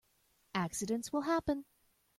Accidents will happen.